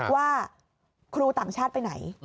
ว่าครูต่างชาติไปไหน